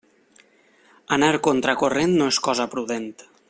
Anar contra corrent no és cosa prudent.